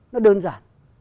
nó đơn giản